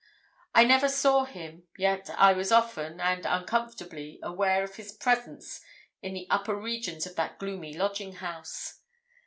I never saw him, yet I was often, and uncomfortably, aware of his presence in the upper regions of that gloomy lodging house.